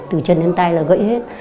từ chân đến tay là gãy hết